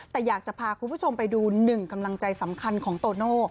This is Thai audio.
แต่อยากจะพาคุณผู้ชมไปดูหนึ่งกำลังใจสำคัญของโตโน่